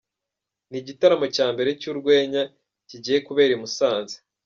Ni igitaramo cya mbere cy’urwenya kigiye kubera i Musanze.